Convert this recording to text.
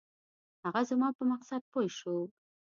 هغه زما په مقصد پوی شو.